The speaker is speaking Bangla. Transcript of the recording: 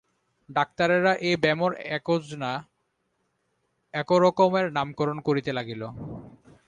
ডাক্তারেরা এ ব্যামোর একোজনা একোরকমের নামকরণ করিতে লাগিল।